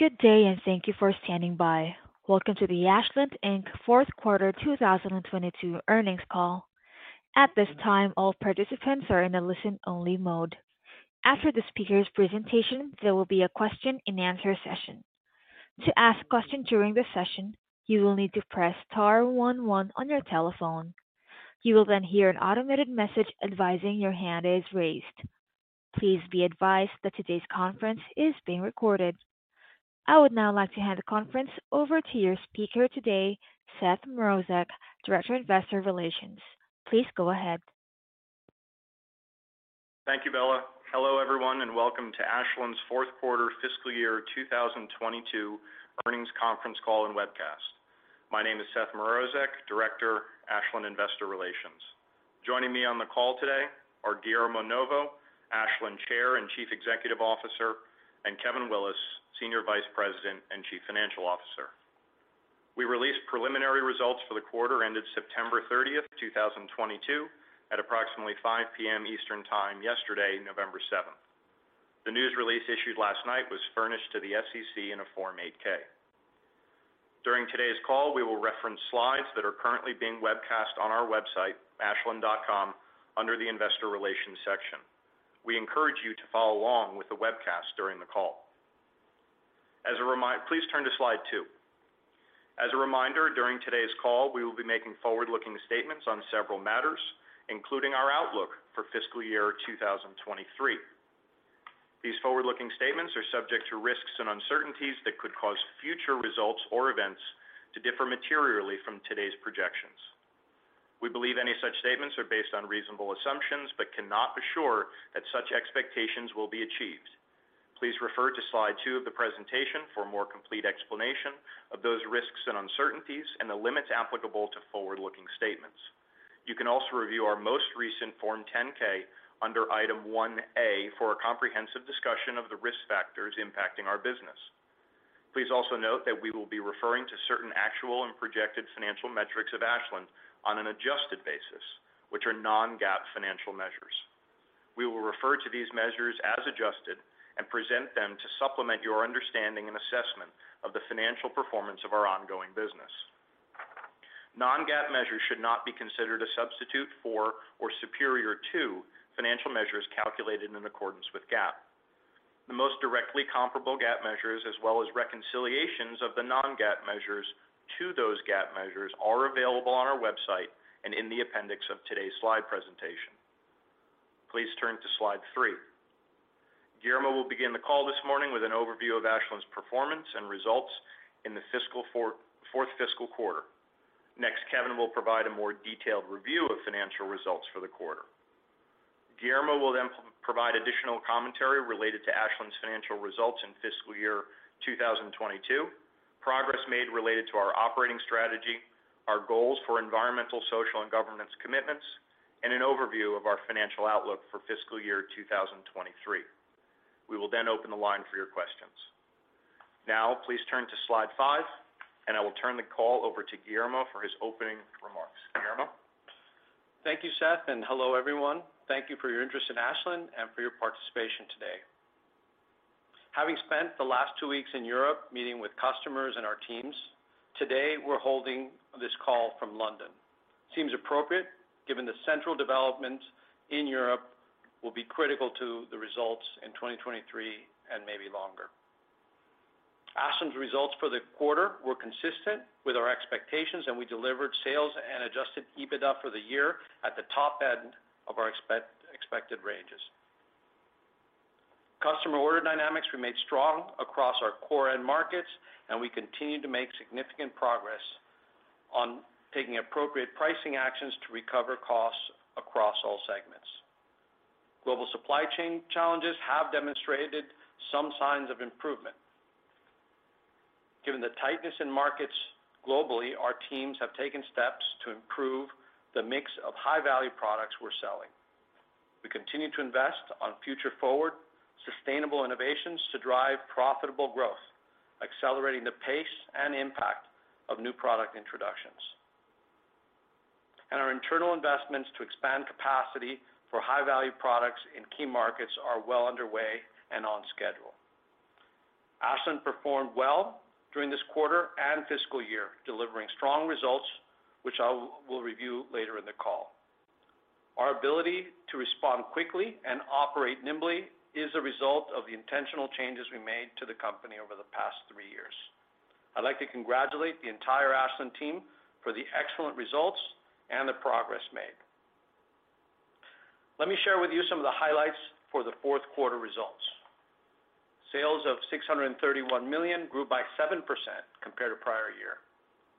Good day, and thank you for standing by. Welcome to the Ashland Inc. fourth quarter 2022 earnings call. At this time, all participants are in a listen-only mode. After the speaker's presentation, there will be a question-and-answer session. To ask a question during the session, you will need to press star one one on your telephone. You will then hear an automated message advising your hand is raised. Please be advised that today's conference is being recorded. I would now like to hand the conference over to your speaker today, Seth Mrozek, Director of Investor Relations. Please go ahead. Thank you, Bella. Hello, everyone, and welcome to Ashland's fourth quarter fiscal year 2022 earnings conference call and webcast. My name is Seth Mrozek, Director, Ashland Investor Relations. Joining me on the call today are Guillermo Novo, Ashland Chair and Chief Executive Officer, and Kevin Willis, Senior Vice President and Chief Financial Officer. We released preliminary results for the quarter ended September 30th, 2022, at approximately 5:00 P.M. Eastern Time yesterday, November 7th. The news release issued last night was furnished to the SEC in a Form 8-K. During today's call, we will reference slides that are currently being webcast on our website, ashland.com, under the investor relations section. We encourage you to follow along with the webcast during the call. Please turn to Slide two. As a reminder, during today's call, we will be making forward-looking statements on several matters, including our outlook for fiscal year 2023. These forward-looking statements are subject to risks and uncertainties that could cause future results or events to differ materially from today's projections. We believe any such statements are based on reasonable assumptions but cannot assure that such expectations will be achieved. Please refer to Slide two of the presentation for a more complete explanation of those risks and uncertainties and the limits applicable to forward-looking statements. You can also review our most recent Form 10-K under Item 1-A for a comprehensive discussion of the risk factors impacting our business. Please also note that we will be referring to certain actual and projected financial metrics of Ashland on an adjusted basis, which are non-GAAP financial measures. We will refer to these measures as adjusted and present them to supplement your understanding and assessment of the financial performance of our ongoing business. Non-GAAP measures should not be considered a substitute for or superior to financial measures calculated in accordance with GAAP. The most directly comparable GAAP measures, as well as reconciliations of the non-GAAP measures to those GAAP measures, are available on our website and in the appendix of today's slide presentation. Please turn to Slide three. Guillermo will begin the call this morning with an overview of Ashland's performance and results in the fourth fiscal quarter. Next, Kevin will provide a more detailed review of financial results for the quarter. Guillermo will then provide additional commentary related to Ashland's financial results in fiscal year 2022, progress made related to our operating strategy, our goals for environmental, social, and governance commitments, and an overview of our financial outlook for fiscal year 2023. We will then open the line for your questions. Now, please turn to Slide 5. I will turn the call over to Guillermo for his opening remarks. Guillermo? Thank you, Seth. Hello, everyone. Thank you for your interest in Ashland and for your participation today. Having spent the last two weeks in Europe meeting with customers and our teams, today we're holding this call from London. Seems appropriate given the central developments in Europe will be critical to the results in 2023 and maybe longer. Ashland's results for the quarter were consistent with our expectations. We delivered sales and adjusted EBITDA for the year at the top end of our expected ranges. Customer order dynamics remained strong across our core end markets. We continue to make significant progress on taking appropriate pricing actions to recover costs across all segments. Global supply chain challenges have demonstrated some signs of improvement. Given the tightness in markets globally, our teams have taken steps to improve the mix of high-value products we're selling. We continue to invest on future-forward, sustainable innovations to drive profitable growth, accelerating the pace and impact of new product introductions. Our internal investments to expand capacity for high-value products in key markets are well underway and on schedule. Ashland performed well during this quarter and fiscal year, delivering strong results, which I will review later in the call. Our ability to respond quickly and operate nimbly is a result of the intentional changes we made to the company over the past three years. I'd like to congratulate the entire Ashland team for the excellent results and the progress made. Let me share with you some of the highlights for the fourth quarter results. Sales of $631 million grew by 7% compared to prior year.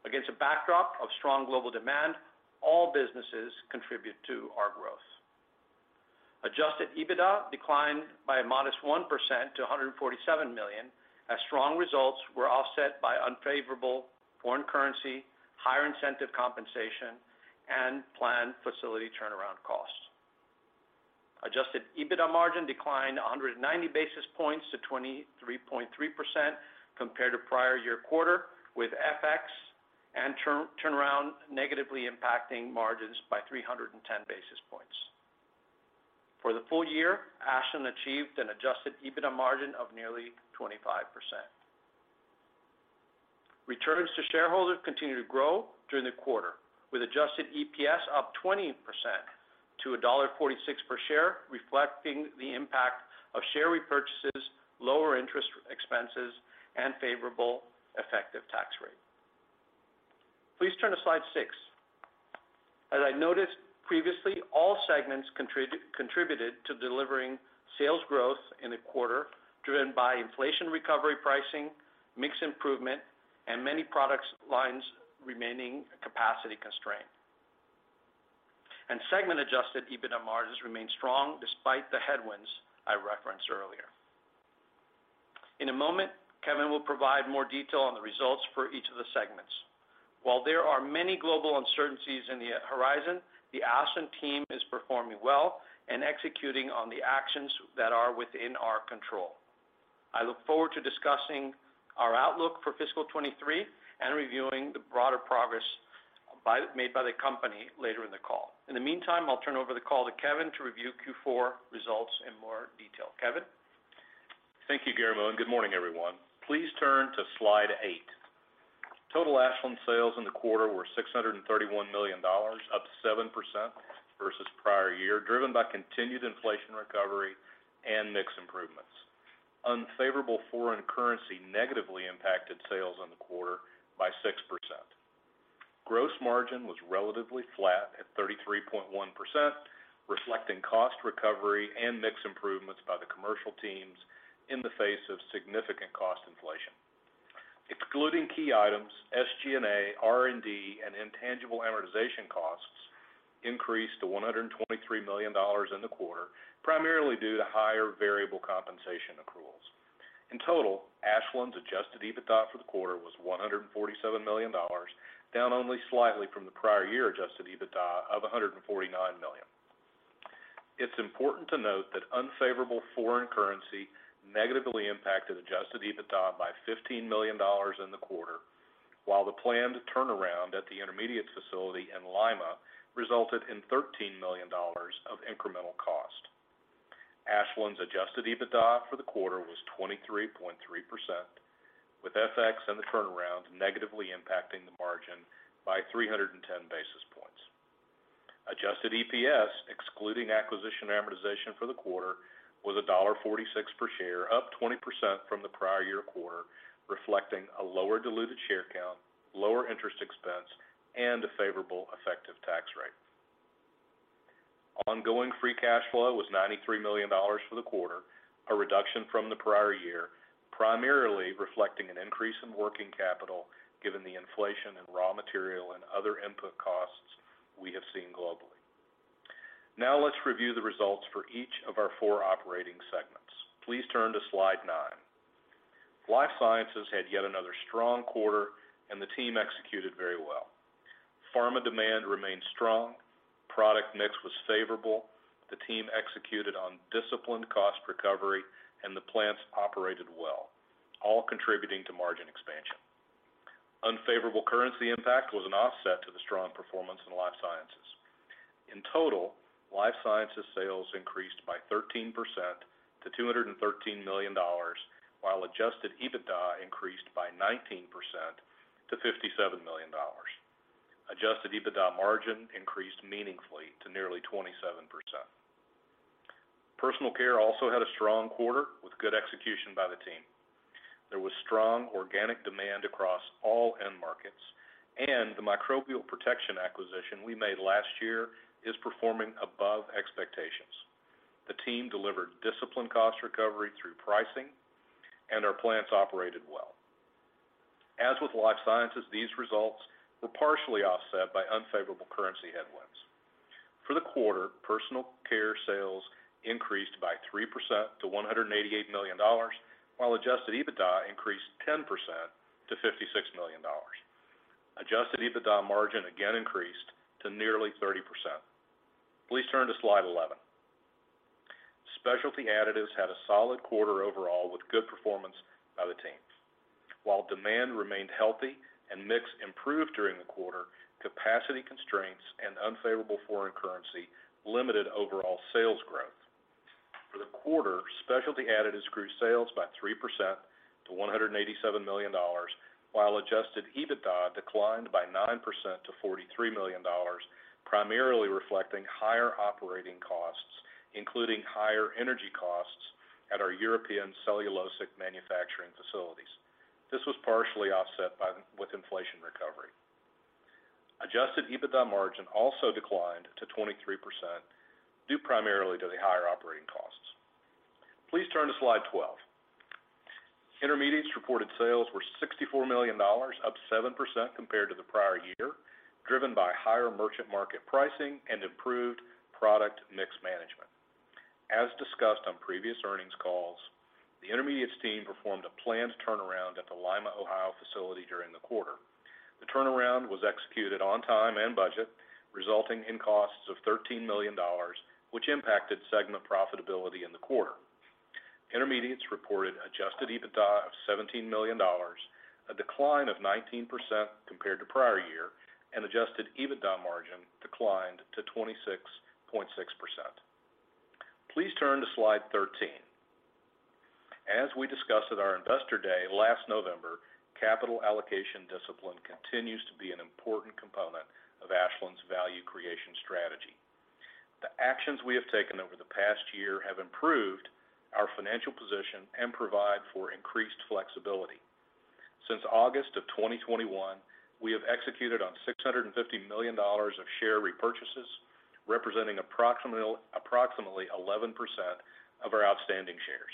Against a backdrop of strong global demand, all businesses contribute to our growth. Adjusted EBITDA declined by a modest 1% to $147 million, as strong results were offset by unfavorable foreign currency, higher incentive compensation, and planned facility turnaround costs. Adjusted EBITDA margin declined 190 basis points to 23.3% compared to prior year quarter, with FX and turnaround negatively impacting margins by 310 basis points. For the full year, Ashland achieved an adjusted EBITDA margin of nearly 25%. Returns to shareholders continued to grow during the quarter, with adjusted EPS up 20% to $1.46 per share, reflecting the impact of share repurchases, lower interest expenses, and favorable effective tax rate. Please turn to Slide six. As I noted previously, all segments contributed to delivering sales growth in the quarter, driven by inflation recovery pricing, mix improvement, and many products lines remaining capacity constrained. Segment adjusted EBITDA margins remain strong despite the headwinds I referenced earlier. In a moment, Kevin will provide more detail on the results for each of the segments. While there are many global uncertainties in the horizon, the Ashland team is performing well and executing on the actions that are within our control. I look forward to discussing our outlook for fiscal 2023 and reviewing the broader progress made by the company later in the call. In the meantime, I'll turn over the call to Kevin to review Q4 results in more detail. Kevin? Thank you, Guillermo, and good morning, everyone. Please turn to slide eight. Total Ashland sales in the quarter were $631 million, up 7% versus prior year, driven by continued inflation recovery and mix improvements. Unfavorable foreign currency negatively impacted sales in the quarter by 6%. Gross margin was relatively flat at 33.1%, reflecting cost recovery and mix improvements by the commercial teams in the face of significant cost inflation. Excluding key items, SG&A, R&D, and intangible amortization costs increased to $123 million in the quarter, primarily due to higher variable compensation accruals. In total, Ashland's adjusted EBITDA for the quarter was $147 million, down only slightly from the prior year adjusted EBITDA of $149 million. It's important to note that unfavorable foreign currency negatively impacted adjusted EBITDA by $15 million in the quarter, while the planned turnaround at the Intermediates facility in Lima resulted in $13 million of incremental cost. Ashland's adjusted EBITDA for the quarter was 23.3%, with FX and the turnaround negatively impacting the margin by 310 basis points. Adjusted EPS, excluding acquisition amortization for the quarter, was $1.46 per share, up 20% from the prior year quarter, reflecting a lower diluted share count, lower interest expense, and a favorable effective tax rate. Ongoing free cash flow was $93 million for the quarter, a reduction from the prior year, primarily reflecting an increase in working capital given the inflation in raw material and other input costs we have seen globally. Let's review the results for each of our four operating segments. Please turn to slide nine. Life Sciences had yet another strong quarter, and the team executed very well. Pharma demand remained strong, product mix was favorable, the team executed on disciplined cost recovery, and the plants operated well, all contributing to margin expansion. Unfavorable currency impact was an offset to the strong performance in Life Sciences. In total, Life Sciences sales increased by 13% to $213 million, while adjusted EBITDA increased by 19% to $57 million. Adjusted EBITDA margin increased meaningfully to nearly 27%. Personal Care also had a strong quarter with good execution by the team. There was strong organic demand across all end markets, and the Microbial Protection acquisition we made last year is performing above expectations. The team delivered disciplined cost recovery through pricing, and our plants operated well. As with Life Sciences, these results were partially offset by unfavorable currency headwinds. For the quarter, Personal Care sales increased by 3% to $188 million, while adjusted EBITDA increased 10% to $56 million. Adjusted EBITDA margin again increased to nearly 30%. Please turn to slide 11. Specialty Additives had a solid quarter overall with good performance by the teams. While demand remained healthy and mix improved during the quarter, capacity constraints and unfavorable foreign currency limited overall sales growth. For the quarter, Specialty Additives grew sales by 3% to $187 million, while adjusted EBITDA declined by 9% to $43 million, primarily reflecting higher operating costs, including higher energy costs at our European cellulosic manufacturing facilities. This was partially offset with inflation recovery. Adjusted EBITDA margin also declined to 23%, due primarily to the higher operating costs. Please turn to slide 12. Intermediates reported sales were $64 million, up 7% compared to the prior year, driven by higher merchant market pricing and improved product mix management. As discussed on previous earnings calls, the Intermediates team performed a planned turnaround at the Lima, Ohio, facility during the quarter. The turnaround was executed on time and budget, resulting in costs of $13 million, which impacted segment profitability in the quarter. Intermediates reported adjusted EBITDA of $17 million, a decline of 19% compared to prior year, and adjusted EBITDA margin declined to 26.6%. Please turn to slide 13. As we discussed at our investor day last November, capital allocation discipline continues to be an important component of Ashland's value creation strategy. The actions we have taken over the past year have improved our financial position and provide for increased flexibility. Since August of 2021, we have executed on $650 million of share repurchases, representing approximately 11% of our outstanding shares.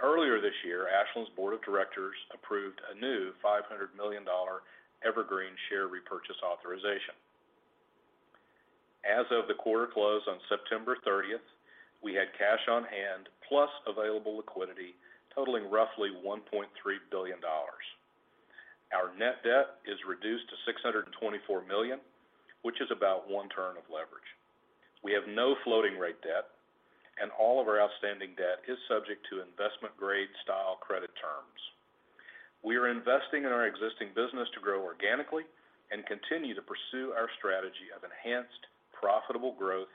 Earlier this year, Ashland's board of directors approved a new $500 million evergreen share repurchase authorization. As of the quarter close on September 30th, we had cash on hand plus available liquidity totaling roughly $1.3 billion. Our net debt is reduced to $624 million, which is about one turn of leverage. We have no floating rate debt, and all of our outstanding debt is subject to investment-grade style credit terms. We are investing in our existing business to grow organically and continue to pursue our strategy of enhanced, profitable growth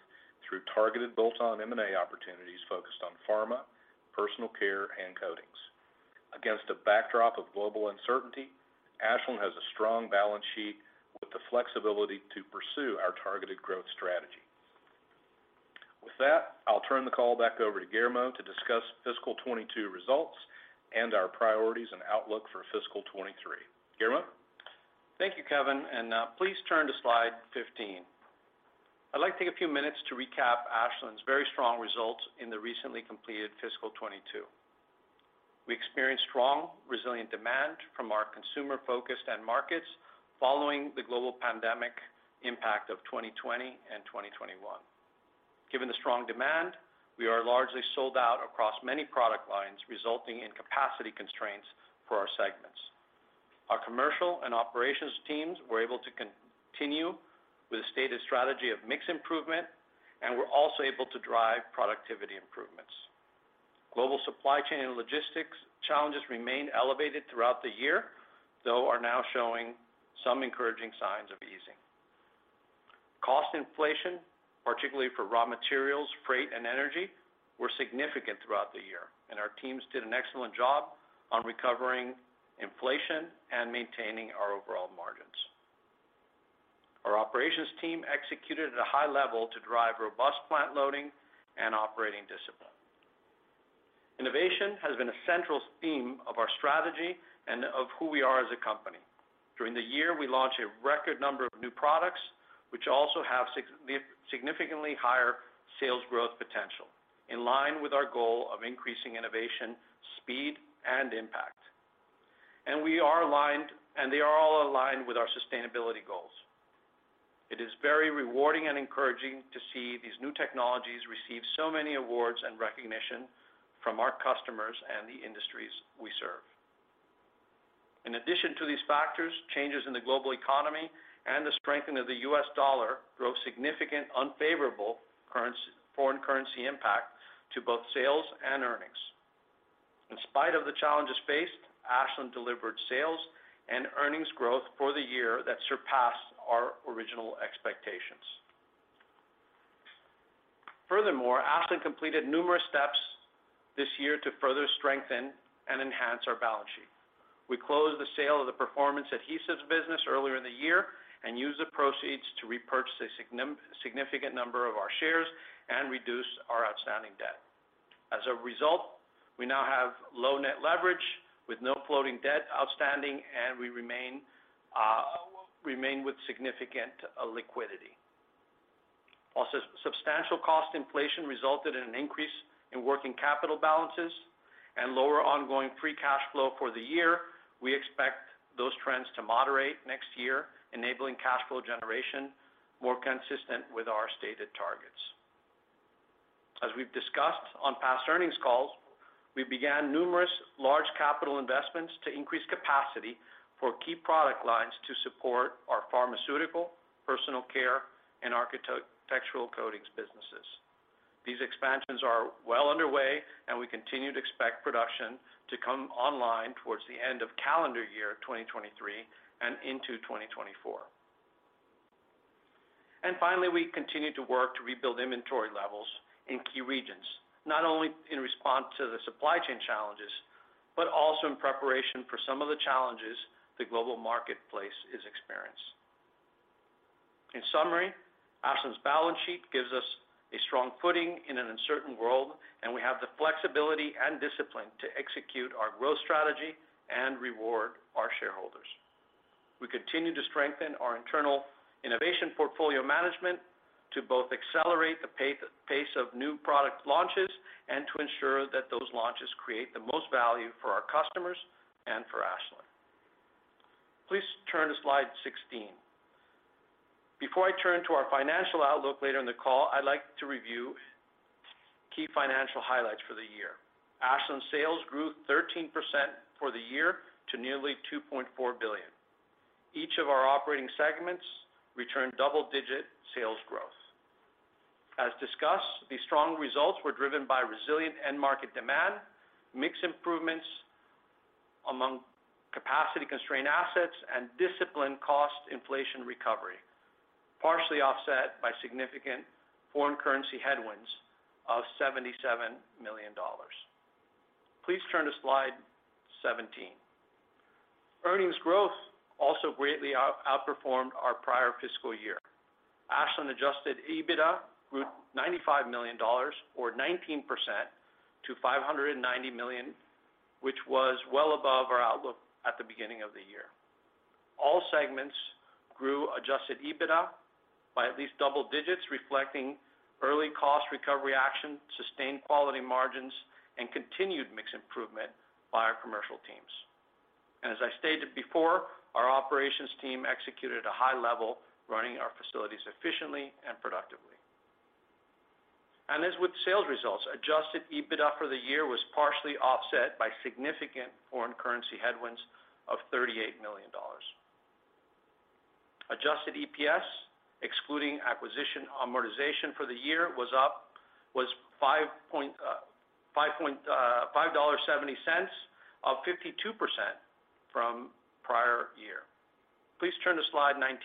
through targeted bolt-on M&A opportunities focused on pharma, Personal Care, and coatings. Against a backdrop of global uncertainty, Ashland has a strong balance sheet with the flexibility to pursue our targeted growth strategy. With that, I'll turn the call back over to Guillermo to discuss fiscal 2022 results and our priorities and outlook for fiscal 2023. Guillermo? Thank you, Kevin, and please turn to slide 15. I'd like to take a few minutes to recap Ashland's very strong results in the recently completed fiscal 2022. We experienced strong, resilient demand from our consumer-focused end markets following the global pandemic impact of 2020 and 2021. Given the strong demand, we are largely sold out across many product lines, resulting in capacity constraints for our segments. Our commercial and operations teams were able to continue with the stated strategy of mix improvement and were also able to drive productivity improvements. Global supply chain and logistics challenges remained elevated throughout the year, though are now showing some encouraging signs of easing. Cost inflation, particularly for raw materials, freight, and energy, were significant throughout the year, and our teams did an excellent job on recovering inflation and maintaining our overall margins. Our operations team executed at a high level to drive robust plant loading and operating discipline. Innovation has been a central theme of our strategy and of who we are as a company. During the year, we launched a record number of new products, which also have significantly higher sales growth potential, in line with our goal of increasing innovation, speed, and impact. They are all aligned with our sustainability goals. It is very rewarding and encouraging to see these new technologies receive so many awards and recognition from our customers and the industries we serve. In addition to these factors, changes in the global economy and the strengthening of the U.S. dollar drove significant unfavorable foreign currency impact to both sales and earnings. In spite of the challenges faced, Ashland delivered sales and earnings growth for the year that surpassed our original expectations. Furthermore, Ashland completed numerous steps this year to further strengthen and enhance our balance sheet. We closed the sale of the Performance Adhesives business earlier in the year and used the proceeds to repurchase a significant number of our shares and reduce our outstanding debt. As a result, we now have low net leverage with no floating debt outstanding, and we remain with significant liquidity. While substantial cost inflation resulted in an increase in working capital balances and lower ongoing free cash flow for the year, we expect those trends to moderate next year, enabling cash flow generation more consistent with our stated targets. As we've discussed on past earnings calls, we began numerous large capital investments to increase capacity for key product lines to support our pharmaceutical, Personal Care, and architectural coatings businesses. These expansions are well underway. Finally, we continue to work to rebuild inventory levels in key regions, not only in response to the supply chain challenges, but also in preparation for some of the challenges the global marketplace is experiencing. In summary, Ashland's balance sheet gives us a strong footing in an uncertain world, and we have the flexibility and discipline to execute our growth strategy and reward our shareholders. We continue to strengthen our internal innovation portfolio management to both accelerate the pace of new product launches and to ensure that those launches create the most value for our customers and for Ashland. Please turn to slide 16. Before I turn to our financial outlook later in the call, I'd like to review key financial highlights for the year. Ashland sales grew 13% for the year to nearly $2.4 billion. Each of our operating segments returned double-digit sales growth. As discussed, these strong results were driven by resilient end market demand, mix improvements among capacity-constrained assets, and disciplined cost inflation recovery, partially offset by significant foreign currency headwinds of $77 million. Please turn to slide 17. Earnings growth also greatly outperformed our prior fiscal year. Ashland adjusted EBITDA grew $95 million or 19% to $590 million, which was well above our outlook at the beginning of the year. All segments grew adjusted EBITDA by at least double digits, reflecting early cost recovery action, sustained quality margins, and continued mix improvement by our commercial teams. As I stated before, our operations team executed at a high level, running our facilities efficiently and productively. As with sales results, adjusted EBITDA for the year was partially offset by significant foreign currency headwinds of $38 million. Adjusted EPS, excluding acquisition amortization for the year was $5.70, up 52% from prior year. Please turn to slide 19.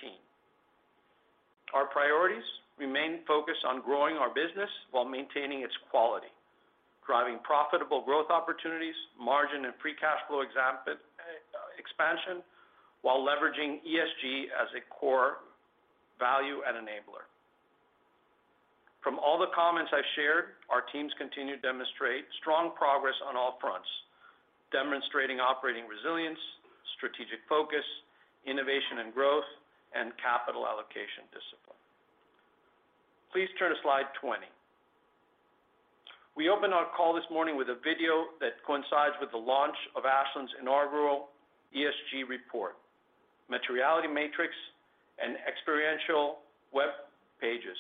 Our priorities remain focused on growing our business while maintaining its quality, driving profitable growth opportunities, margin and free cash flow expansion, while leveraging ESG as a core value and enabler. From all the comments I've shared, our teams continue to demonstrate strong progress on all fronts, demonstrating operating resilience, strategic focus, innovation and growth, and capital allocation discipline. Please turn to slide 20. We opened our call this morning with a video that coincides with the launch of Ashland's inaugural ESG report, materiality matrix, and experiential web pages.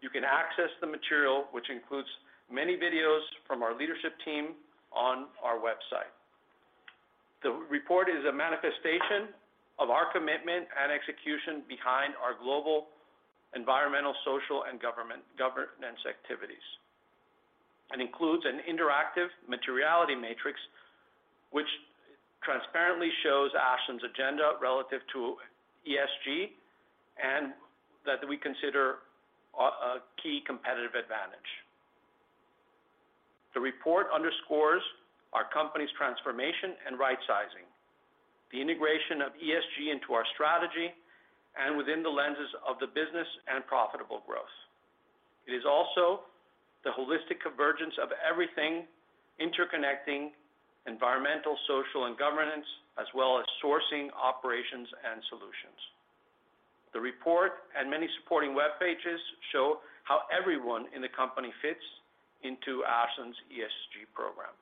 You can access the material, which includes many videos from our leadership team on our website. The report is a manifestation of our commitment and execution behind our global environmental, social, and governance activities, and includes an interactive materiality matrix, which transparently shows Ashland's agenda relative to ESG, and that we consider a key competitive advantage. The report underscores our company's transformation and right-sizing, the integration of ESG into our strategy, and within the lenses of the business and profitable growth. It is also the holistic convergence of everything interconnecting environmental, social, and governance, as well as sourcing operations and solutions. The report and many supporting web pages show how everyone in the company fits into Ashland's ESG program.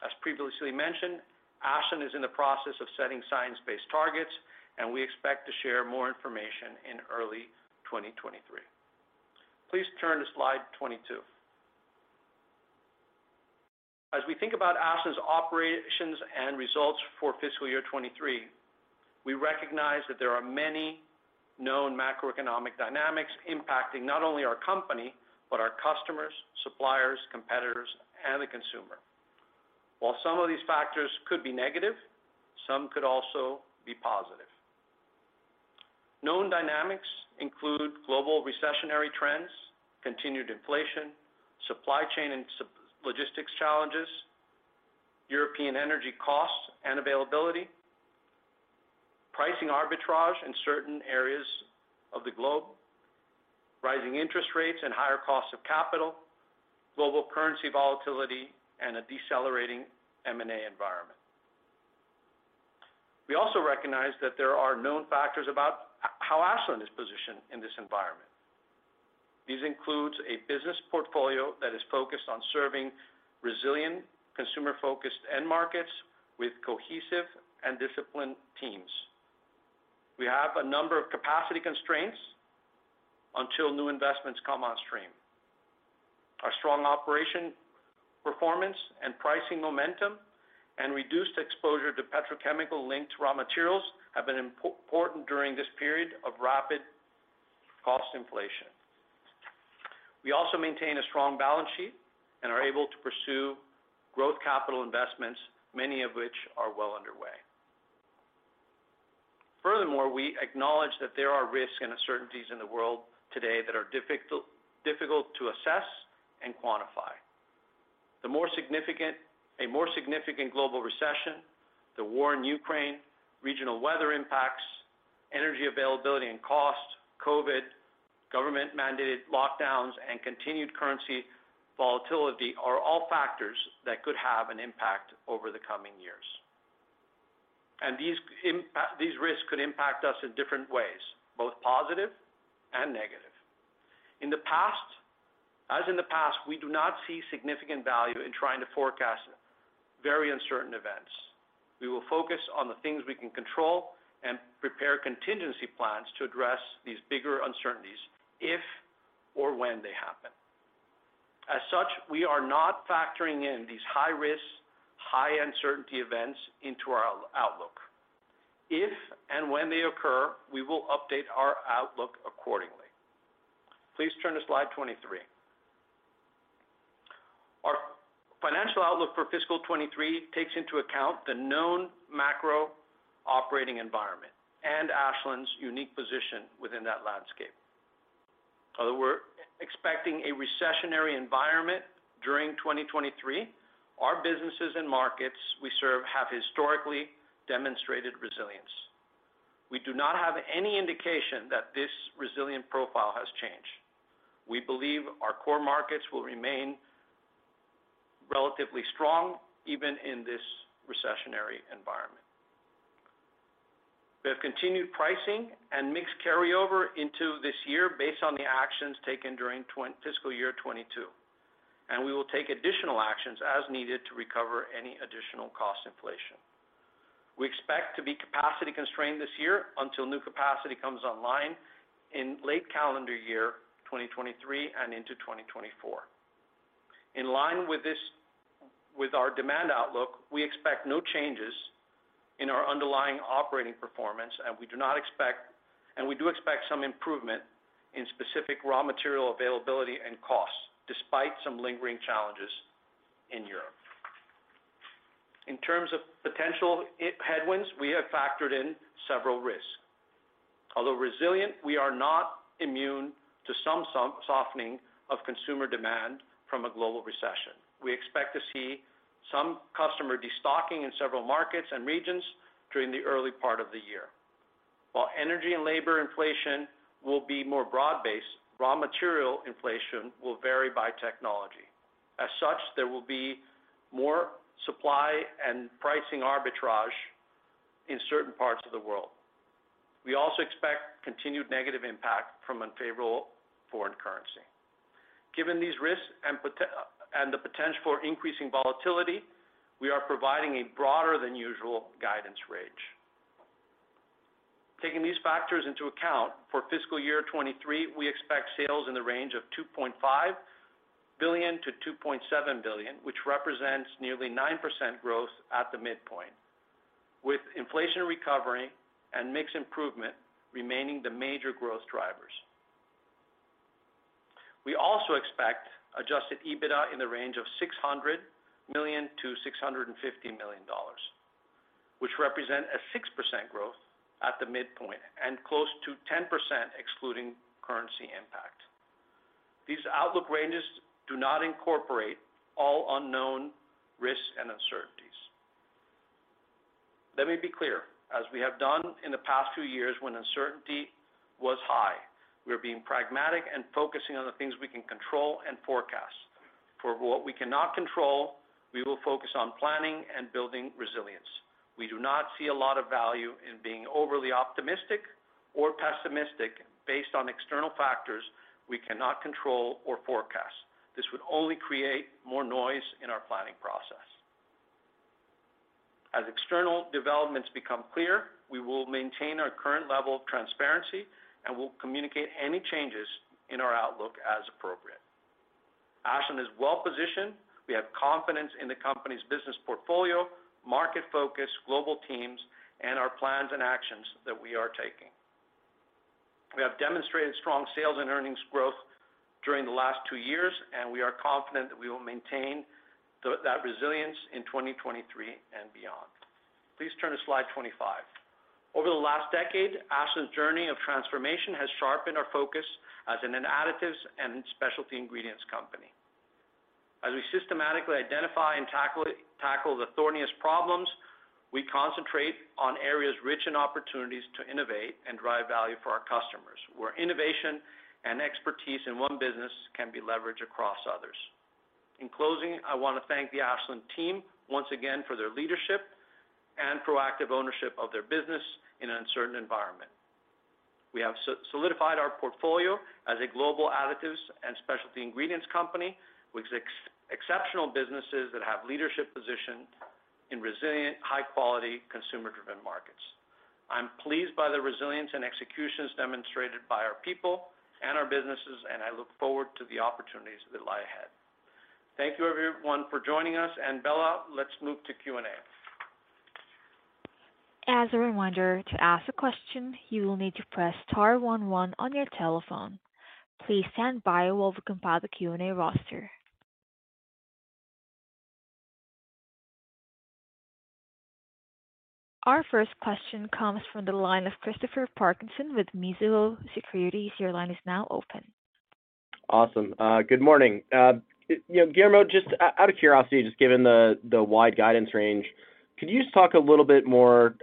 As previously mentioned, Ashland is in the process of setting science-based targets, and we expect to share more information in early 2023. Please turn to slide 22. As we think about Ashland's operations and results for fiscal year 2023, we recognize that there are many known macroeconomic dynamics impacting not only our company, but our customers, suppliers, competitors, and the consumer. While some of these factors could be negative, some could also be positive. Known dynamics include global recessionary trends, continued inflation, supply chain and logistics challenges, European energy costs and availability, pricing arbitrage in certain areas of the globe, rising interest rates and higher costs of capital, global currency volatility, and a decelerating M&A environment. We also recognize that there are known factors about how Ashland is positioned in this environment. These includes a business portfolio that is focused on serving resilient, consumer-focused end markets with cohesive and disciplined teams. We have a number of capacity constraints until new investments come on stream. Our strong operation performance and pricing momentum and reduced exposure to petrochemical-linked raw materials have been important during this period of rapid cost inflation. We also maintain a strong balance sheet and are able to pursue growth capital investments, many of which are well underway. Furthermore, we acknowledge that there are risks and uncertainties in the world today that are difficult to assess and quantify. A more significant global recession, the war in Ukraine, regional weather impacts, energy availability and cost, COVID, government-mandated lockdowns, and continued currency volatility are all factors that could have an impact over the coming years. These risks could impact us in different ways, both positive and negative. As in the past, we do not see significant value in trying to forecast very uncertain events. We will focus on the things we can control and prepare contingency plans to address these bigger uncertainties if or when they happen. As such, we are not factoring in these high-risk, high-uncertainty events into our outlook. If and when they occur, we will update our outlook accordingly. Please turn to slide 23. Our financial outlook for fiscal 2023 takes into account the known macro operating environment and Ashland's unique position within that landscape. Although we are expecting a recessionary environment during 2023, our businesses and markets we serve have historically demonstrated resilience. We do not have any indication that this resilient profile has changed. We believe our core markets will remain relatively strong, even in this recessionary environment. We have continued pricing and mix carryover into this year based on the actions taken during fiscal year 2022. We will take additional actions as needed to recover any additional cost inflation. We expect to be capacity constrained this year until new capacity comes online in late calendar year 2023 and into 2024. In line with our demand outlook, we expect no changes in our underlying operating performance. We do expect some improvement in specific raw material availability and costs, despite some lingering challenges in Europe. In terms of potential headwinds, we have factored in several risks. Although resilient, we are not immune to some softening of consumer demand from a global recession. We expect to see some customer de-stocking in several markets and regions during the early part of the year. While energy and labor inflation will be more broad based, raw material inflation will vary by technology. As such, there will be more supply and pricing arbitrage in certain parts of the world. We also expect continued negative impact from unfavorable foreign currency. Given these risks and the potential for increasing volatility, we are providing a broader than usual guidance range. Taking these factors into account, for fiscal year 2023, we expect sales in the range of $2.5 billion-$2.7 billion, which represents nearly 9% growth at the midpoint, with inflation recovery and mix improvement remaining the major growth drivers. We also expect adjusted EBITDA in the range of $600 million-$650 million, which represent a 6% growth at the midpoint and close to 10% excluding currency impact. These outlook ranges do not incorporate all unknown risks and uncertainties. Let me be clear, as we have done in the past two years when uncertainty was high, we are being pragmatic and focusing on the things we can control and forecast. For what we cannot control, we will focus on planning and building resilience. We do not see a lot of value in being overly optimistic or pessimistic based on external factors we cannot control or forecast. This would only create more noise in our planning process. As external developments become clear, we will maintain our current level of transparency. We will communicate any changes in our outlook as appropriate. Ashland is well-positioned. We have confidence in the company's business portfolio, market focus, global teams, and our plans and actions that we are taking. We have demonstrated strong sales and earnings growth during the last two years, and we are confident that we will maintain that resilience in 2023 and beyond. Please turn to slide 25. Over the last decade, Ashland's journey of transformation has sharpened our focus as an additives and specialty ingredients company. As we systematically identify and tackle the thorniest problems, we concentrate on areas rich in opportunities to innovate and drive value for our customers, where innovation and expertise in one business can be leveraged across others. In closing, I want to thank the Ashland team once again for their leadership and proactive ownership of their business in an uncertain environment. We have solidified our portfolio as a global additives and specialty ingredients company with exceptional businesses that have leadership position in resilient, high-quality, consumer-driven markets. I'm pleased by the resilience and executions demonstrated by our people and our businesses, and I look forward to the opportunities that lie ahead. Thank you, everyone, for joining us. Bella, let's move to Q&A. As a reminder, to ask a question, you will need to press star one one on your telephone. Please stand by while we compile the Q&A roster. Our first question comes from the line of Christopher Parkinson with Mizuho Securities. Your line is now open. Awesome. Good morning. Guillermo, just out of curiosity, just given the wide guidance range, could you just talk a little bit more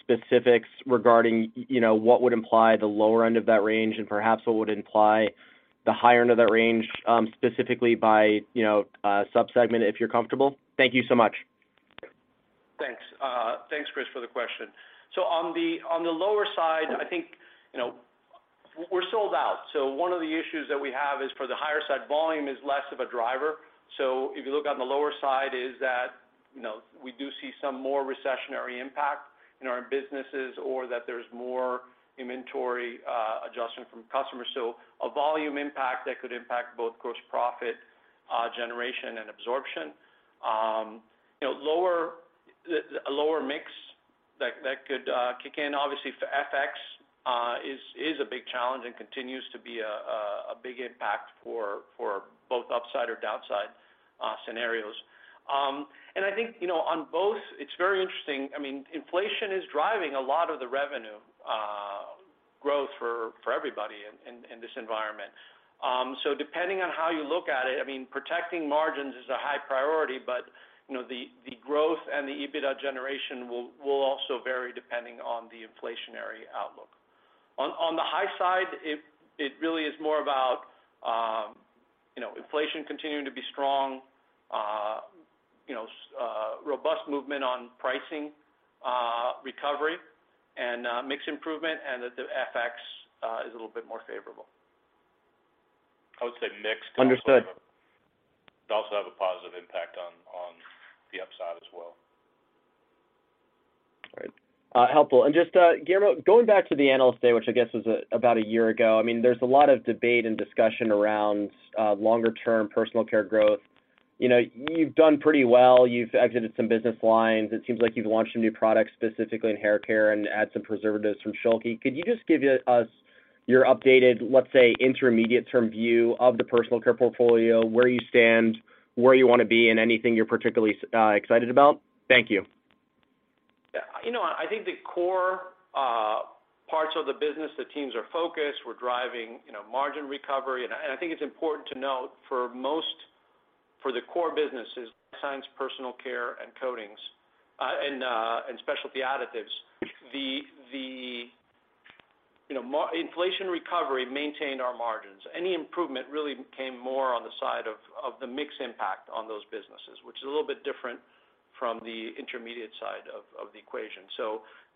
specifics regarding what would imply the lower end of that range, and perhaps what would imply the higher end of that range, specifically by subsegment, if you're comfortable? Thank you so much. Thanks. Thanks, Chris, for the question. On the lower side, I think we're sold out. One of the issues that we have is for the higher side volume is less of a driver. If you look on the lower side is that we do see some more recessionary impact in our businesses or that there's more inventory adjustment from customers. A volume impact that could impact both gross profit generation and absorption. A lower mix that could kick in. Obviously, FX is a big challenge and continues to be a big impact for both upside or downside scenarios. I think, on both, it's very interesting. Inflation is driving a lot of the revenue growth for everybody in this environment. Depending on how you look at it, protecting margins is a high priority, but the growth and the EBITDA generation will also vary depending on the inflationary outlook. On the high side, it really is more about inflation continuing to be strong, robust movement on pricing recovery, and mix improvement, that the FX is a little bit more favorable. I would say mix Understood could also have a positive impact on the upside as well. Helpful. Just, Guillermo, going back to the Analyst Day, which I guess was about a year ago. There is a lot of debate and discussion around longer-term Personal Care growth. You've done pretty well. You've exited some business lines. It seems like you've launched some new products, specifically in haircare, and added some preservatives from Schülke. Could you just give us your updated, let's say, intermediate-term view of the Personal Care portfolio, where you stand, where you want to be, and anything you're particularly excited about? Thank you. I think the core parts of the business, the teams are focused. We're driving margin recovery. I think it's important to note, for the core businesses, Life Sciences, Personal Care, and Coatings, and Specialty Additives, the inflation recovery maintained our margins. Any improvement really came more on the side of the mix impact on those businesses, which is a little bit different from the Intermediates side of the equation.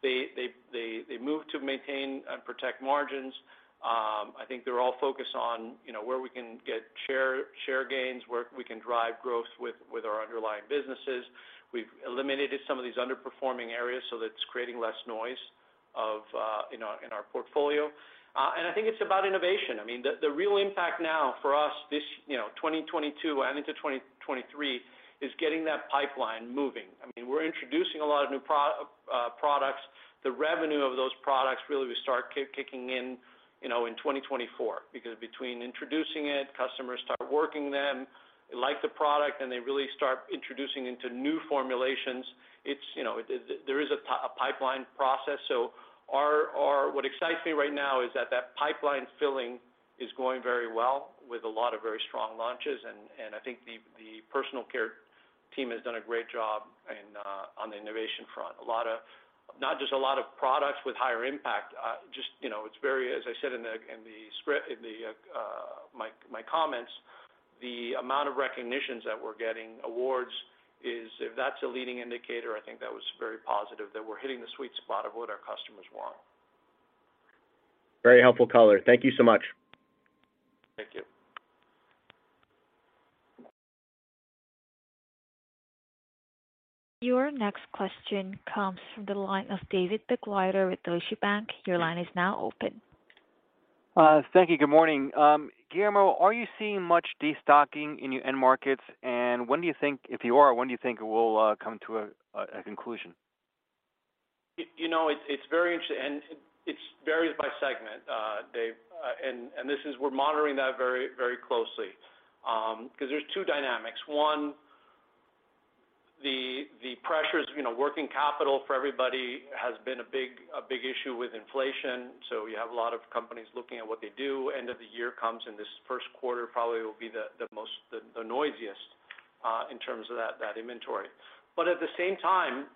They moved to maintain and protect margins. I think they're all focused on where we can get share gains, where we can drive growth with our underlying businesses. We've eliminated some of these underperforming areas, so that's creating less noise in our portfolio. I think it's about innovation. The real impact now for us this 2022 and into 2023, is getting that pipeline moving. We're introducing a lot of new products. The revenue of those products really will start kicking in 2024. Between introducing it, customers start working them, they like the product, and they really start introducing into new formulations. There is a pipeline process. What excites me right now is that that pipeline filling is going very well with a lot of very strong launches, and I think the Personal Care team has done a great job on the innovation front. Not just a lot of products with higher impact, it's very, as I said in my comments, the amount of recognitions that we're getting, awards, if that's a leading indicator, I think that was very positive, that we're hitting the sweet spot of what our customers want. Very helpful color. Thank you so much. Thank you. Your next question comes from the line of David Begleiter with Deutsche Bank. Your line is now open. Thank you. Good morning. Guillermo, are you seeing much de-stocking in your end markets? If you are, when do you think it will come to a conclusion? It's very interesting, it varies by segment, Dave. We're monitoring that very closely. Because there's two dynamics. One, the pressures, working capital for everybody has been a big issue with inflation, so you have a lot of companies looking at what they do. End of the year comes, this first quarter probably will be the noisiest in terms of that inventory. At the same time,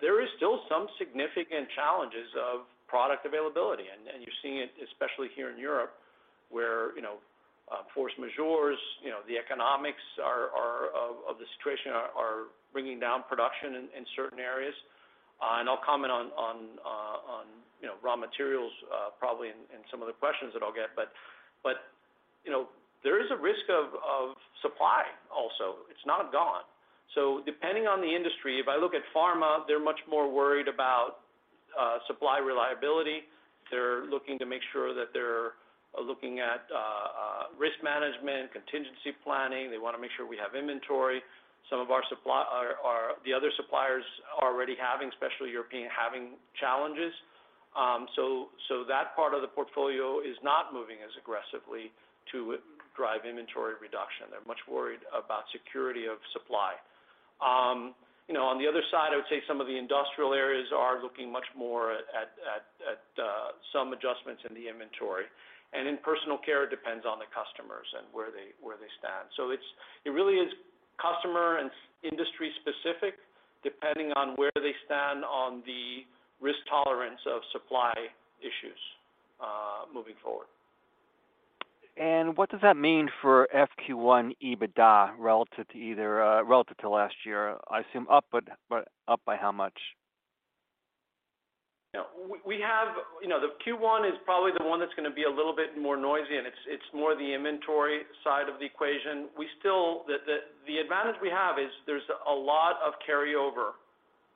there is still some significant challenges of product availability. You're seeing it especially here in Europe, where force majeurs, the economics of the situation are bringing down production in certain areas. I'll comment on raw materials probably in some of the questions that I'll get. There is a risk of supply also. It's not gone. Depending on the industry, if I look at pharma, they're much more worried about supply reliability. They're looking to make sure that they're looking at risk management, contingency planning. They want to make sure we have inventory. The other suppliers are already having, especially European, having challenges. That part of the portfolio is not moving as aggressively to drive inventory reduction. They're much worried about security of supply. On the other side, I would say some of the industrial areas are looking much more at some adjustments in the inventory. In Personal Care, it depends on the customers and where they stand. It really is customer and industry specific, depending on where they stand on the risk tolerance of supply issues moving forward. What does that mean for FQ1 EBITDA relative to last year? I assume up, but up by how much? The Q1 is probably the one that's going to be a little bit more noisy, and it's more the inventory side of the equation. The advantage we have is there's a lot of carryover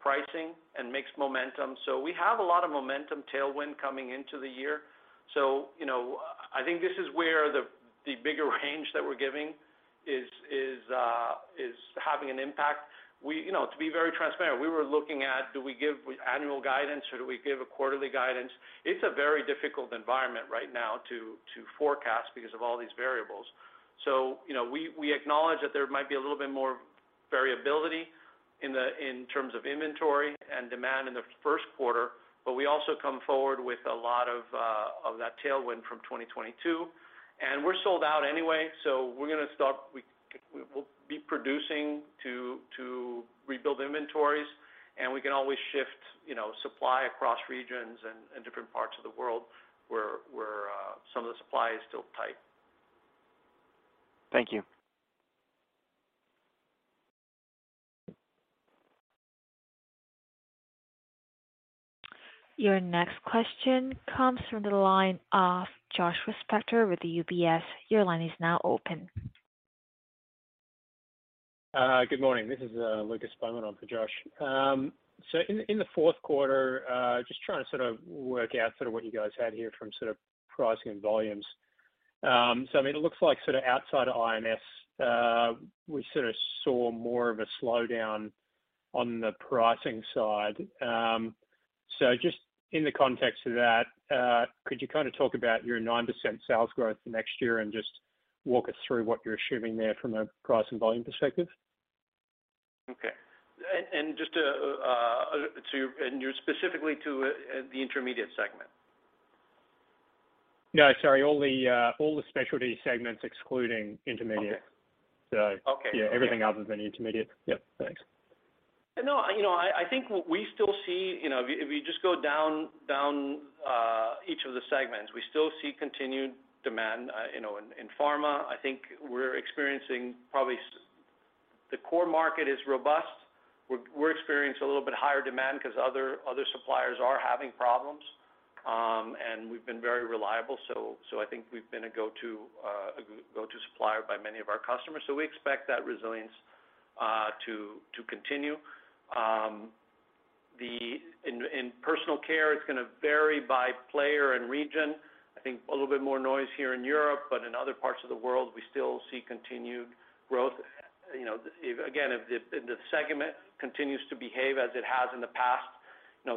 pricing and mixed momentum. We have a lot of momentum tailwind coming into the year. I think this is where the bigger range that we're giving is having an impact. To be very transparent, we were looking at do we give annual guidance or do we give a quarterly guidance? It's a very difficult environment right now to forecast because of all these variables. We acknowledge that there might be a little bit more variability in terms of inventory and demand in the first quarter, but we also come forward with a lot of that tailwind from 2022. We're sold out anyway, we'll be producing to rebuild inventories, we can always shift supply across regions and different parts of the world where some of the supply is still tight. Thank you. Your next question comes from the line of Joshua Spector with UBS. Your line is now open. Good morning. This is Lucas Bowman on for Josh. In the fourth quarter, just trying to sort of work out what you guys had here from sort of pricing and volumes. I mean, it looks like outside of I&S we sort of saw more of a slowdown on the pricing side. Just in the context of that, could you kind of talk about your 9% sales growth next year and just walk us through what you're assuming there from a price and volume perspective? Okay. Specifically to the Intermediates segment? No, sorry, all the Specialty segments excluding Intermediates. Okay. Yeah, everything other than Intermediates. Yep. Thanks. No. I think if we just go down each of the segments, we still see continued demand. In pharma, I think the core market is robust. We're experiencing a little bit higher demand because other suppliers are having problems. We've been very reliable, so I think we've been a go-to supplier by many of our customers. We expect that resilience to continue. In Personal Care, it's going to vary by player and region. I think a little bit more noise here in Europe, but in other parts of the world, we still see continued growth. Again, if the segment continues to behave as it has in the past,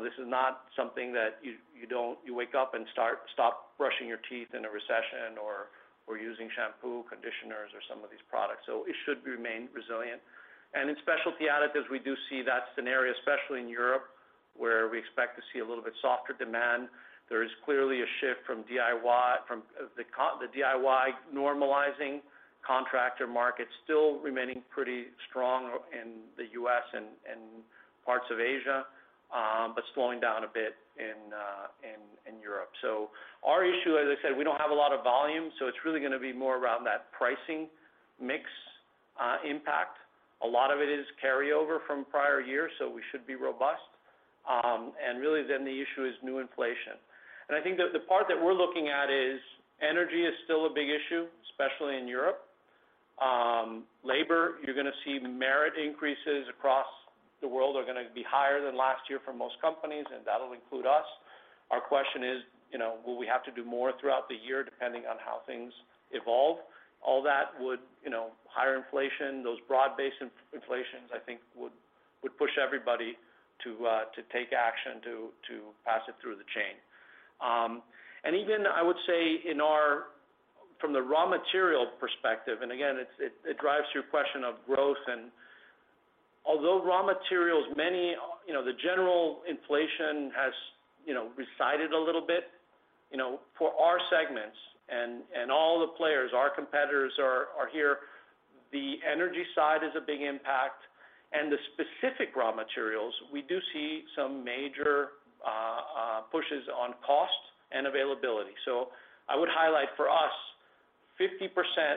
this is not something that you wake up and stop brushing your teeth in a recession or using shampoo, conditioners or some of these products. It should remain resilient. In Specialty Additives, we do see that scenario, especially in Europe, where we expect to see a little bit softer demand. There is clearly a shift from the DIY normalizing contractor markets still remaining pretty strong in the U.S. and parts of Asia, but slowing down a bit in Europe. Our issue, as I said, we don't have a lot of volume, so it's really going to be more around that pricing mix impact. A lot of it is carryover from prior years, so we should be robust. Really then the issue is new inflation. I think that the part that we're looking at is energy is still a big issue, especially in Europe. Labor, you're going to see merit increases across the world are going to be higher than last year for most companies, and that'll include us. Our question is, will we have to do more throughout the year depending on how things evolve? All that would, higher inflation, those broad-based inflations, I think, would push everybody to take action to pass it through the chain. Even, I would say from the raw material perspective, and again, it drives to your question of growth, and although raw materials, the general inflation has resided a little bit, for our segments and all the players, our competitors are here. The energy side is a big impact and the specific raw materials, we do see some major pushes on cost and availability. I would highlight for us, 50%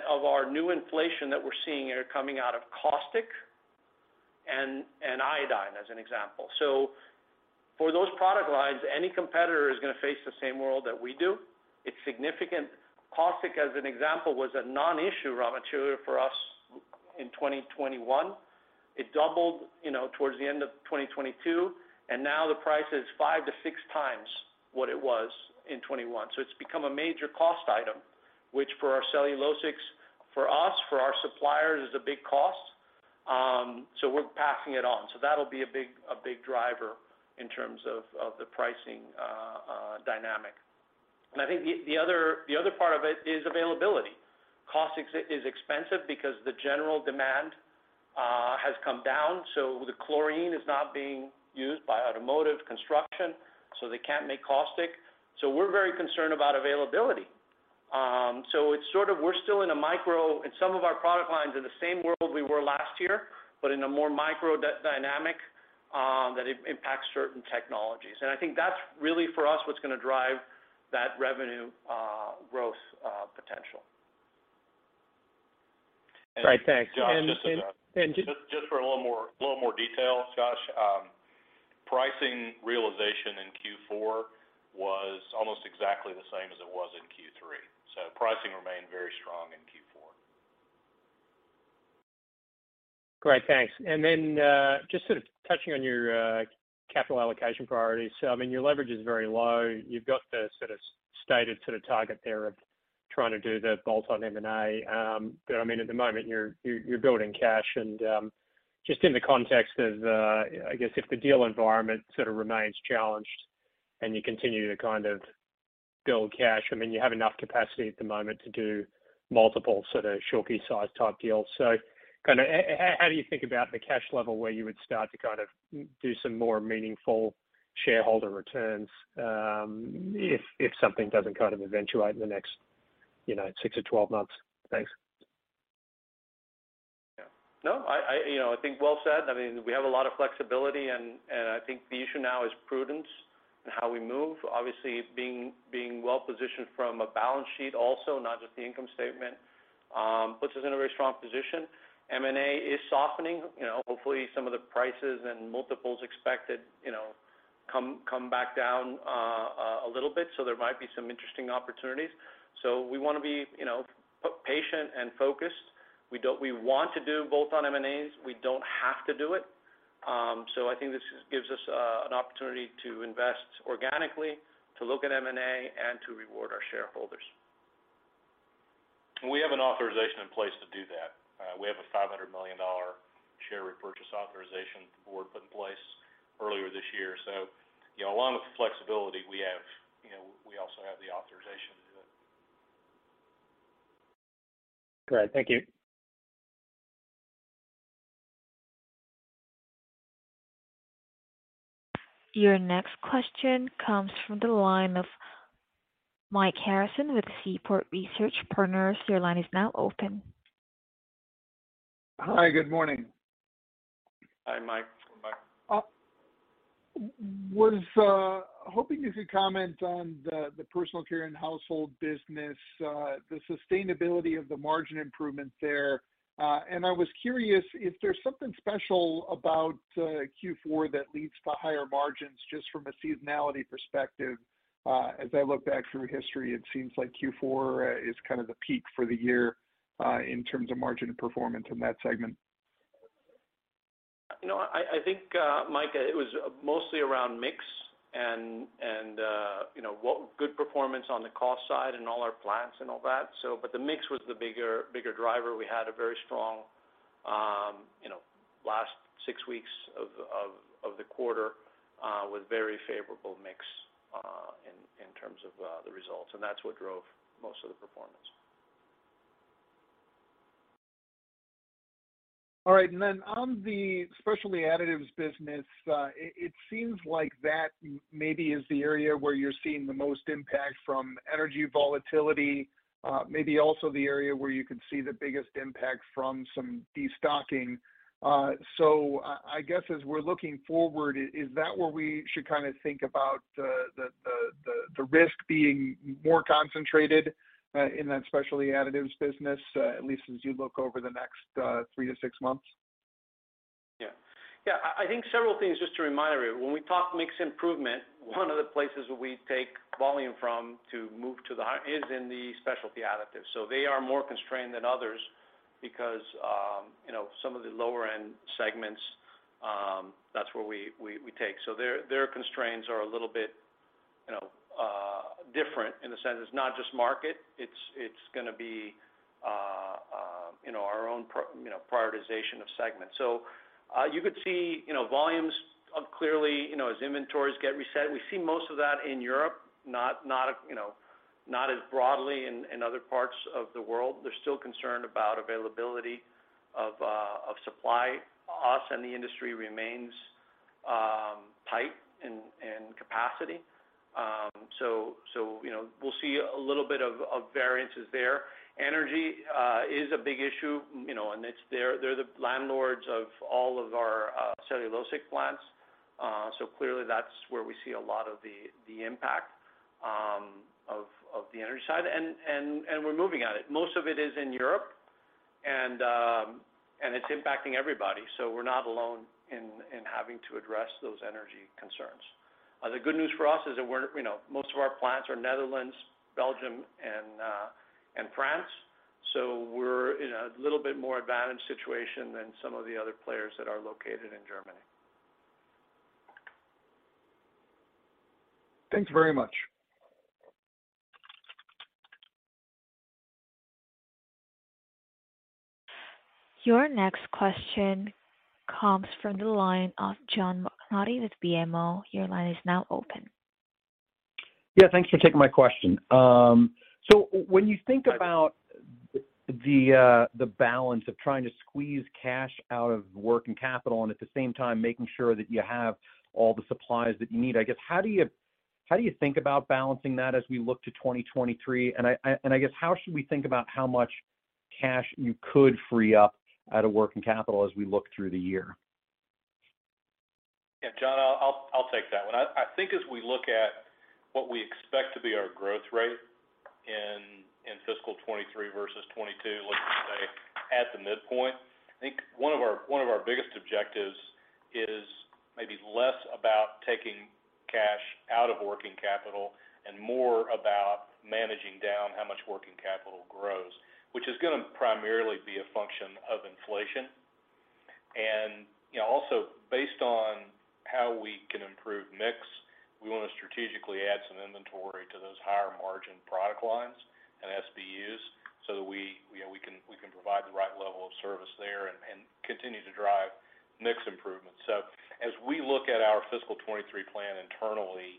of our new inflation that we're seeing are coming out of caustic and iodine as an example. For those product lines, any competitor is going to face the same world that we do. It's significant. Caustic, as an example, was a non-issue raw material for us in 2021. It doubled towards the end of 2022, now the price is 5 to 6 times what it was in 2021. It's become a major cost item, which for our cellulosics, for us, for our suppliers, is a big cost. We're passing it on. That'll be a big driver in terms of the pricing dynamic. I think the other part of it is availability. Caustic is expensive because the general demand has come down. The chlorine is not being used by automotive construction, so they can't make caustic. We're very concerned about availability. We're still in some of our product lines in the same world we were last year, but in a more micro dynamic that impacts certain technologies. I think that's really for us what's going to drive that revenue growth potential. Great. Thanks. Josh, just for a little more detail. Josh, pricing realization in Q4 was almost exactly the same as it was in Q3. Pricing remained very strong in Q4. Great, thanks. Just sort of touching on your capital allocation priorities. Your leverage is very low. You've got the sort of stated target there of trying to do the bolt-on M&A. At the moment, you're building cash and just in the context of, I guess, if the deal environment sort of remains challenged and you continue to kind of build cash, you have enough capacity at the moment to do multiple sort of Schülke size type deals. How do you think about the cash level, where you would start to kind of do some more meaningful shareholder returns, if something doesn't eventuate in the next six to 12 months? Thanks. Yeah. No, I think well said. We have a lot of flexibility and I think the issue now is prudence and how we move. Obviously, being well-positioned from a balance sheet also, not just the income statement, puts us in a very strong position. M&A is softening. Hopefully, some of the prices and multiples expected come back down a little bit, there might be some interesting opportunities. We want to be patient and focused. We want to do bolt-on M&As. We don't have to do it. I think this gives us an opportunity to invest organically, to look at M&A, and to reward our shareholders. We have an authorization in place to do that. We have a $500 million share repurchase authorization the board put in place earlier this year. Along with the flexibility we have, we also have the authorization to do it. Great. Thank you. Your next question comes from the line of Michael Harrison with Seaport Research Partners. Your line is now open. Hi, good morning. Hi, Mike. I was hoping you could comment on the Personal Care and household business, the sustainability of the margin improvement there. I was curious if there's something special about Q4 that leads to higher margins just from a seasonality perspective. As I look back through history, it seems like Q4 is kind of the peak for the year, in terms of margin performance in that segment. I think, Mike, it was mostly around mix and what good performance on the cost side and all our plants and all that. The mix was the bigger driver. We had a very strong last 6 weeks of the quarter, with very favorable mix in terms of the results, that's what drove most of the performance. All right. On the Specialty Additives business, it seems like that maybe is the area where you're seeing the most impact from energy volatility, maybe also the area where you could see the biggest impact from some destocking. I guess as we're looking forward, is that where we should kind of think about the risk being more concentrated, in that Specialty Additives business, at least as you look over the next three to six months? Yeah. I think several things, just to remind everybody. When we talk mix improvement, one of the places where we take volume from to move to the high is in the Specialty Additives. They are more constrained than others because some of the lower-end segments, that's where we take. Their constraints are a little bit different in the sense it's not just market, it's going to be our own prioritization of segments. You could see volumes up clearly as inventories get reset. We see most of that in Europe, not as broadly in other parts of the world. They're still concerned about availability of supply. Us and the industry remains tight in capacity. We'll see a little bit of variances there. Energy is a big issue, they're the landlords of all of our cellulosic plants. Clearly, that's where we see a lot of the impact of the energy side, and we're moving at it. Most of it is in Europe, and it's impacting everybody. We're not alone in having to address those energy concerns. The good news for us is that most of our plants are Netherlands, Belgium, and France. We're in a little bit more advantaged situation than some of the other players that are located in Germany. Thanks very much. Your next question comes from the line of John McNulty with BMO. Your line is now open. Thanks for taking my question. When you think about the balance of trying to squeeze cash out of working capital and at the same time making sure that you have all the supplies that you need, I guess how do you think about balancing that as we look to 2023? I guess how should we think about how much cash you could free up out of working capital as we look through the year? John, I'll take that one. I think as we look at what we expect to be our growth rate in fiscal 2023 versus 2022, let's just say at the midpoint, I think one of our biggest objectives is maybe less about taking cash out of working capital and more about managing down how much working capital grows, which is going to primarily be a function of inflation. Also based on how we can improve mix, we want to strategically add some inventory to those higher margin product lines and SBUs so that we can provide the right level of service there and continue to drive mix improvements. As we look at our fiscal 2023 plan internally,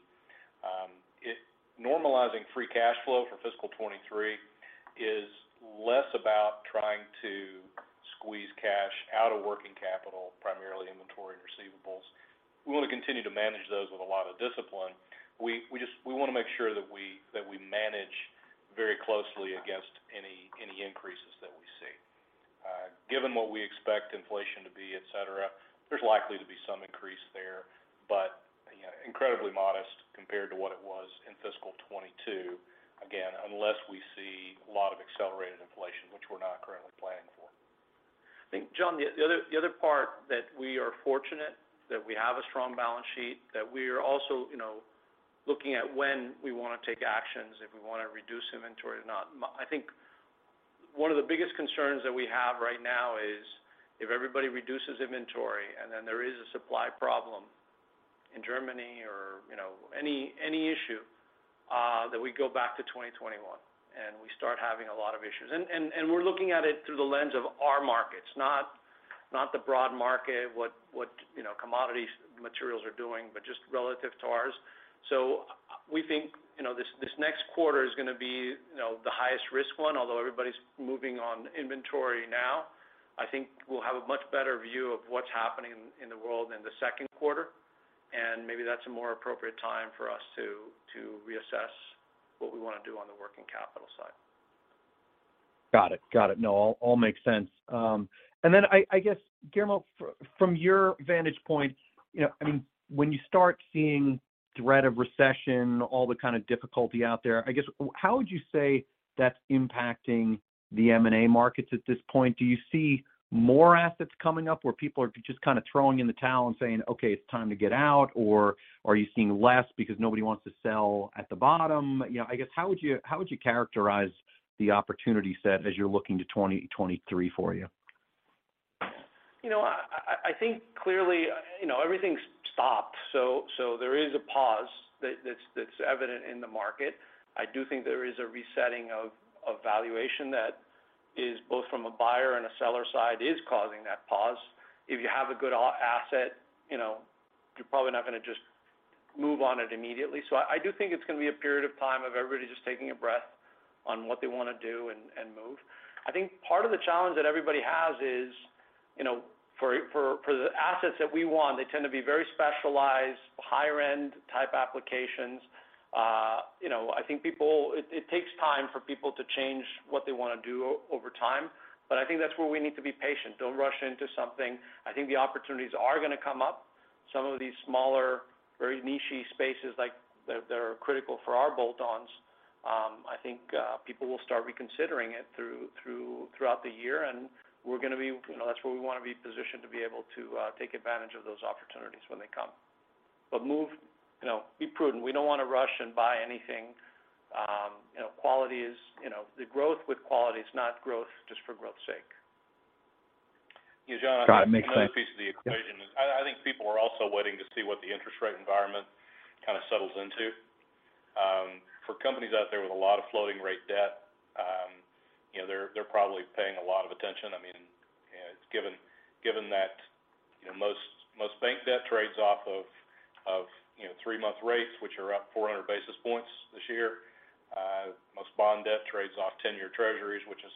normalizing free cash flow for fiscal 2023 is less about trying to squeeze cash out of working capital, primarily inventory and receivables. We want to continue to manage those with a lot of discipline. We want to make sure that we manage very closely against any increases that we see. Given what we expect inflation to be, et cetera, there's likely to be some increase there, but incredibly modest compared to what it was in fiscal 2022. Again, unless we see a lot of accelerated inflation, which we're not currently planning for. I think, John, the other part that we are fortunate that we have a strong balance sheet, that we are also looking at when we want to take actions, if we want to reduce inventory or not. I think one of the biggest concerns that we have right now is if everybody reduces inventory and then there is a supply problem in Germany or any issue, that we go back to 2021 and we start having a lot of issues. We're looking at it through the lens of our markets, not the broad market, what commodity materials are doing, but just relative to ours. We think this next quarter is going to be the highest risk one, although everybody's moving on inventory now. I think we'll have a much better view of what's happening in the world in the second quarter, and maybe that's a more appropriate time for us to reassess what we want to do on the working capital side. Got it. No, all makes sense. I guess, Guillermo, from your vantage point, when you start seeing threat of recession, all the kind of difficulty out there. How would you say that's impacting the M&A markets at this point? Do you see more assets coming up where people are just kind of throwing in the towel and saying, "Okay, it's time to get out"? Or are you seeing less because nobody wants to sell at the bottom? How would you characterize the opportunity set as you're looking to 2023 for you? I think clearly, everything's stopped. There is a pause that's evident in the market. I do think there is a resetting of valuation that is both from a buyer and a seller side is causing that pause. If you have a good asset, you're probably not going to just move on it immediately. I do think it's going to be a period of time of everybody just taking a breath on what they want to do and move. I think part of the challenge that everybody has is for the assets that we want, they tend to be very specialized, higher-end type applications. It takes time for people to change what they want to do over time, but I think that's where we need to be patient. Don't rush into something. I think the opportunities are going to come up. Some of these smaller, very niche-y spaces that are critical for our bolt-ons, I think people will start reconsidering it throughout the year, and that's where we want to be positioned to be able to take advantage of those opportunities when they come. Be prudent. We don't want to rush and buy anything. The growth with quality is not growth just for growth's sake. John, makes sense. Another piece of the equation is I think people are also waiting to see what the interest rate environment kind of settles into. For companies out there with a lot of floating rate debt, they're probably paying a lot of attention. Given that most bank debt trades off of three-month rates, which are up 400 basis points this year. Most bond debt trades off 10-year Treasuries, which is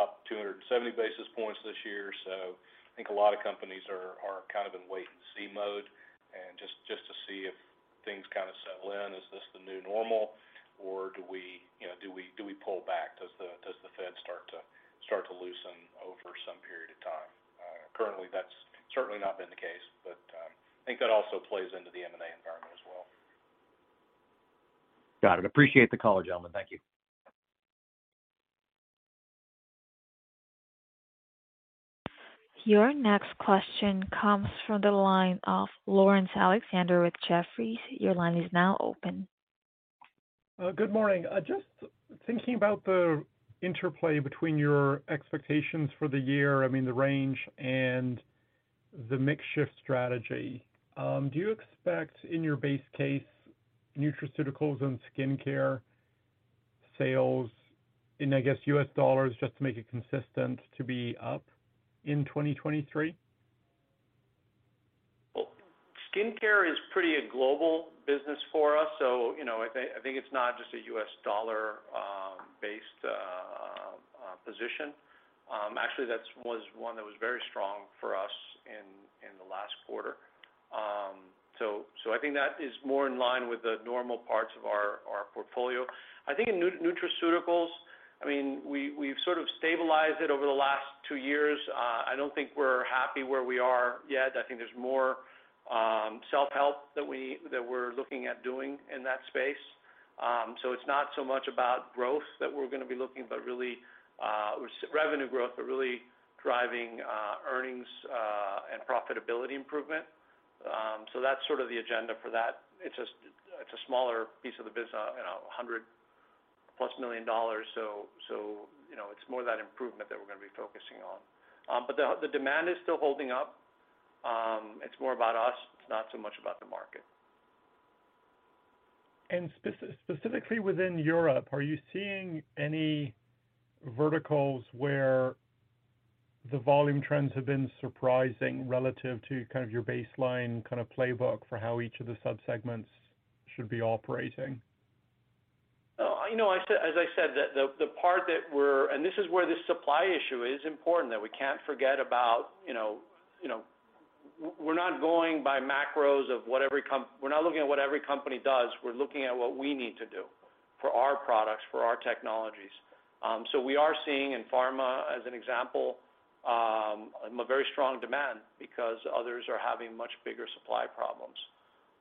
up 270 basis points this year. I think a lot of companies are kind of in wait and see mode and just to see if things kind of settle in. Is this the new normal or do we pull back? Does the Fed start to loosen over some period of time? Currently, that's certainly not been the case, but I think that also plays into the M&A environment as well. Got it. Appreciate the call, gentlemen. Thank you. Your next question comes from the line of Laurence Alexander with Jefferies. Your line is now open. Good morning. Just thinking about the interplay between your expectations for the year, the range, and the mix shift strategy. Do you expect in your base case nutraceuticals and skincare sales in, I guess, U.S. dollars, just to make it consistent, to be up in 2023? Skincare is pretty a global business for us. I think it's not just a U.S. dollar-based position. Actually, that was one that was very strong for us in the last quarter. I think that is more in line with the normal parts of our portfolio. I think in nutraceuticals we've sort of stabilized it over the last two years. I don't think we're happy where we are yet. I think there's more self-help that we're looking at doing in that space. It's not so much about growth that we're going to be looking, revenue growth, but really driving earnings and profitability improvement. That's sort of the agenda for that. It's a smaller piece of the business, $100+ million. It's more that improvement that we're going to be focusing on. Demand is still holding up. It's more about us, it's not so much about the market. Specifically within Europe, are you seeing any verticals where the volume trends have been surprising relative to kind of your baseline kind of playbook for how each of the sub-segments should be operating? As I said, this is where the supply issue is important. We're not looking at what every company does, we're looking at what we need to do for our products, for our technologies. We are seeing in pharma, as an example, a very strong demand because others are having much bigger supply problems.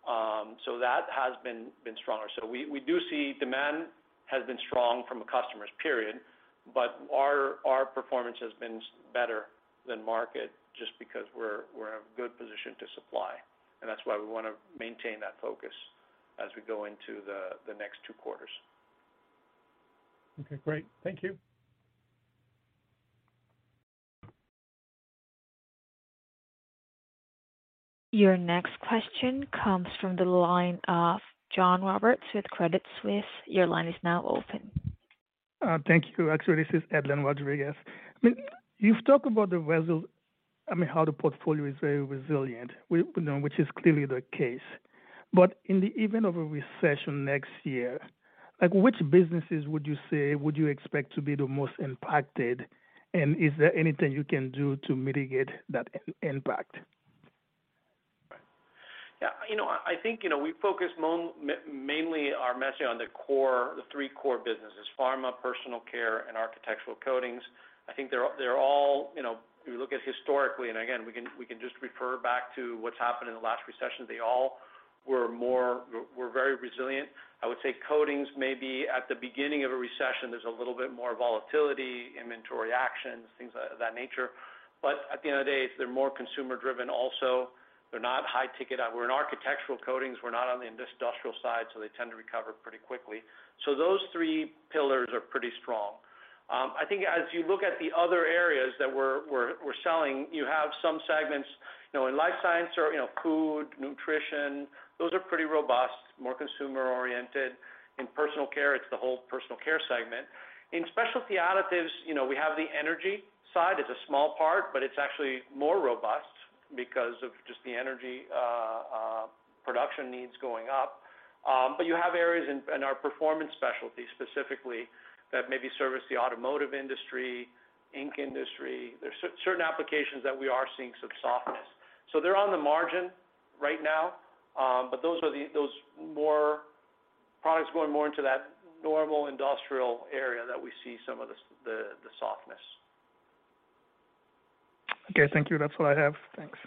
That has been stronger. We do see demand has been strong from a customer's period, our performance has been better than market just because we're in a good position to supply. That's why we want to maintain that focus as we go into the next two quarters. Okay, great. Thank you. Your next question comes from the line of John Roberts with Credit Suisse. Your line is now open. Thank you. Actually, this is Edlin Rodriguez. You've talked about how the portfolio is very resilient, which is clearly the case. In the event of a recession next year, which businesses would you expect to be the most impacted? Is there anything you can do to mitigate that impact? Right. I think we focus mainly our messaging on the three core businesses, pharma, Personal Care, and architectural coatings. I think they're all, if you look at historically, and again, we can just refer back to what's happened in the last recession, they all were very resilient. I would say coatings, maybe at the beginning of a recession, there's a little bit more volatility, inventory actions, things of that nature. At the end of the day, they're more consumer-driven also. They're not high ticket. We're in architectural coatings, we're not on the industrial side, so they tend to recover pretty quickly. Those three pillars are pretty strong. I think as you look at the other areas that we're selling, you have some segments in Life Sciences or food, nutrition, those are pretty robust, more consumer-oriented. In Personal Care, it's the whole Personal Care segment. In Specialty Additives, we have the energy side as a small part, it's actually more robust because of just the energy production needs going up. You have areas in our performance specialty, specifically, that maybe service the automotive industry, ink industry. There's certain applications that we are seeing some softness. They're on the margin right now. Those are those products going more into that normal industrial area that we see some of the softness. Okay, thank you. That's all I have. Thanks.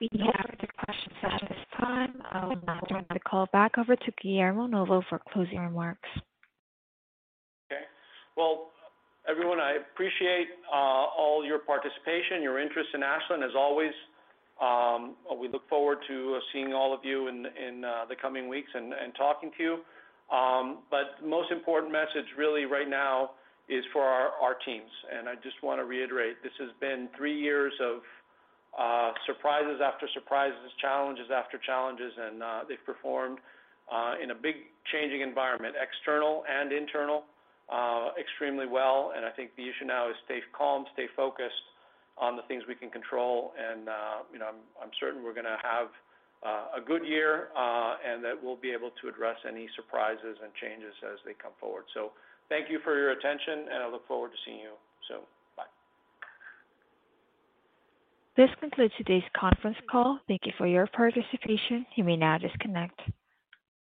We have no further questions at this time. I will now turn the call back over to Guillermo Novo for closing remarks. Okay. Well, everyone, I appreciate all your participation, your interest in Ashland, as always. We look forward to seeing all of you in the coming weeks and talking to you. Most important message really right now is for our teams. I just want to reiterate, this has been three years of surprises after surprises, challenges after challenges, and they've performed in a big changing environment, external and internal, extremely well, and I think the issue now is stay calm, stay focused on the things we can control. I'm certain we're going to have a good year, and that we'll be able to address any surprises and changes as they come forward. Thank you for your attention, and I look forward to seeing you soon. Bye. This concludes today's conference call. Thank you for your participation. You may now disconnect.